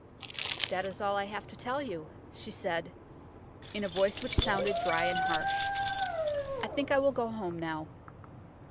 "That is all I have to tell you," she said, in a voice which sounded dry and harsh. "I think I will go home now."